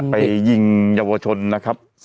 ไปยิงเยาวชนนะครับ